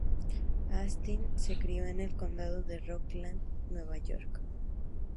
Astin se crio en el condado de Rockland, Nueva York.